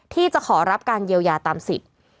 ที่จะขอรับการเยียวยาตามสิทธิ์